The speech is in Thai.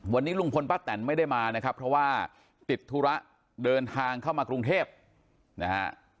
วันนี้ลุงพลป้าแตนไม่ได้มานะครับเพราะว่าติดธุระเดินทางเข้ามากรุงเทพนะฮะ